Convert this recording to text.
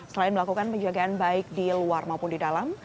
selain melakukan penjagaan baik di luar maupun di dalam